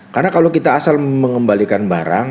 karena kalau kita asal mengembalikan barang